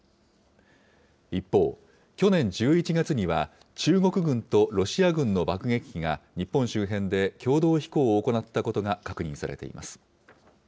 一方、去年１１月には、中国軍とロシア軍の爆撃機が日本周辺で共同飛行を行ったことが確認されています。